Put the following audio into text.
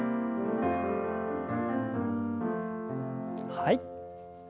はい。